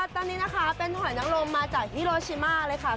ตอนนี้นะคะเป็นหอยนังลมมาจากฮิโรชิมาเลยค่ะ